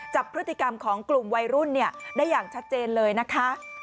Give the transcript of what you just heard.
จับพฤติกรรมของกลุ่มวัยรุ่นได้อย่างชัดเจนเลยนะคะ